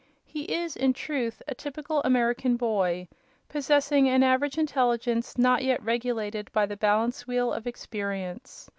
He is, in truth, a typical American boy, possessing an average intelligence not yet regulated by the balance wheel of experience.